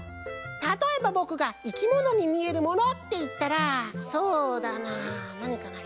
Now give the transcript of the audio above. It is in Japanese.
たとえばぼくが「いきものにみえるもの」っていったらそうだななにかな。